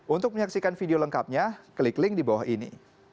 untuk menyaksikan video lengkapnya klik link di bawah ini